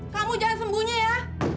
kamu jangan sembunyi ya